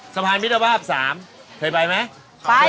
สะพานมิตรภาพ๓เคยไปไหม